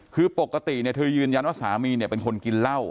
คือปกติเธอยืนยันว่าสามีเนี่ยเป็นคนกินเหล้า